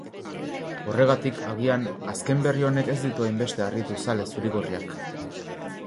Horregatik, agian, azken berri honek ez ditu hainbeste harritu zale zuri-gorriak.